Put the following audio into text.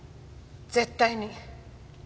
絶対に。